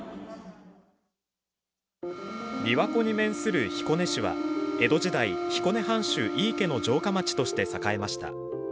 びわ湖に面する彦根市は江戸時代、彦根藩主・井伊家の城下町として栄えました。